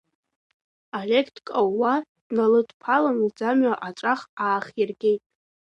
Олег дкаууа, дналыдԥалан лӡамҩа аҵәах аахиргеит.